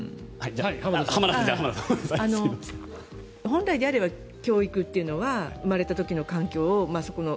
本来であれば教育というのは生まれた時の環境というのを